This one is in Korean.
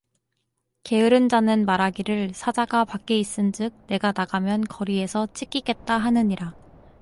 게으른 자는 말하기를 사자가 밖에 있은즉 내가 나가면 거리에서 찢기겠다 하느니라